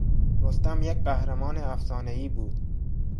رستم یک قهرمان افسانهای بود.